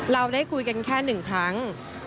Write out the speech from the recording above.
เราได้คุยกันแค่๑ครั้ง